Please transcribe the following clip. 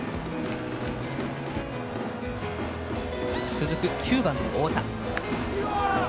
続く９番の太田。